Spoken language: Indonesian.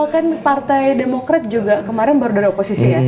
kan partai demokrat juga kemarin baru dari oposisi ya